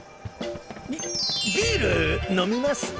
ビビール飲みます？